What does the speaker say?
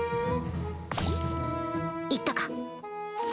行ったか。